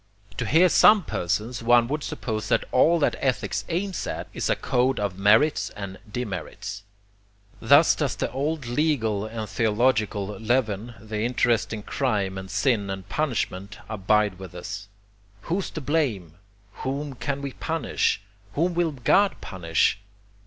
To hear some persons, one would suppose that all that ethics aims at is a code of merits and demerits. Thus does the old legal and theological leaven, the interest in crime and sin and punishment abide with us. 'Who's to blame? whom can we punish? whom will God punish?'